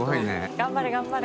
頑張れ頑張れ。